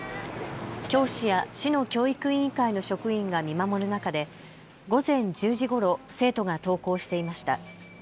教師や市の教育委員会の職員が見守る中で午前１０時ごろ、生徒が登校していました。